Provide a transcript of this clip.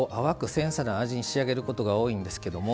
繊細な味に仕上げることが多いんですけども。